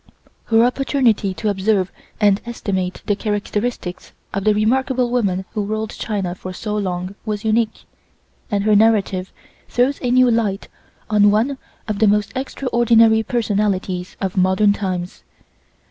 Her opportunity to observe and estimate the characteristics of the remarkable woman who ruled China for so long was unique, and her narrative throws a new light on one of the most extraordinary personalities of modern times.